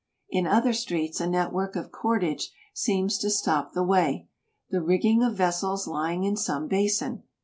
In other streets a net work of cordage seems to stop the way; the rigging of vessels lying in some basin.